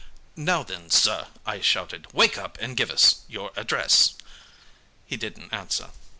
"'Now, then, sir,' I shouted. 'Wake up and give us your address.' "He didn't answer.